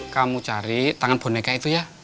kamu cari tangan boneka itu ya